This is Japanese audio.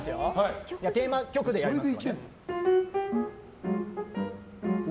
テーマ曲でやりますね。